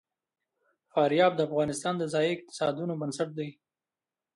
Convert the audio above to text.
فاریاب د افغانستان د ځایي اقتصادونو بنسټ دی.